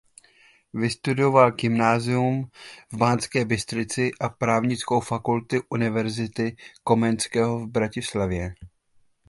Vystudoval gymnázium v Banské Bystrici a právnickou fakultu Univerzity Komenského v Bratislavě.